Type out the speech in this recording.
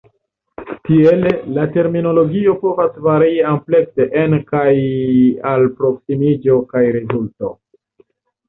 Tiele, la terminologio povas varii amplekse en kaj alproksimiĝo kaj rezulto.